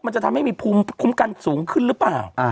จะทำให้มีภูมิคุ้มกันสูงขึ้นหรือเปล่า